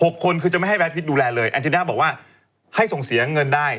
คนคือจะไม่ให้แดดพิษดูแลเลยแอนจิน่าบอกว่าให้ส่งเสียเงินได้